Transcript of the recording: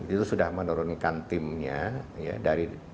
itu sudah menurunkan timnya